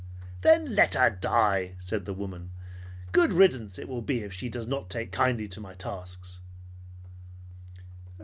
"Then let her die!" said the woman. "Good riddance it will be if she does not take kindly to my tasks."